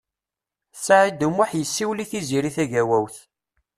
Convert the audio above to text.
Saɛid U Muḥ yessiwel i Tiziri Tagawawt.